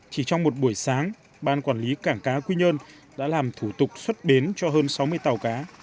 chỉ trong một buổi sáng ban quản lý cảng cá quy nhơn đã làm thủ tục xuất bến cho hơn sáu mươi tàu cá